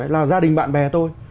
là gia đình bạn bè tôi